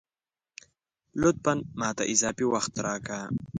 لطفاً ! ماته اضافي وخت راکه